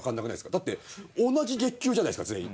だって同じ月給じゃないですか全員。